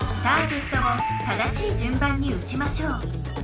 ターゲットを正しいじゅんばんにうちましょう。